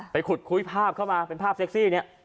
ขุดคุยภาพเข้ามาเป็นภาพเซ็กซี่เนี่ย